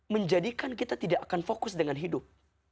menjadikan kita tidak akan fokus dengan hidup